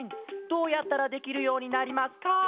どうやったらできるようになりますか？」。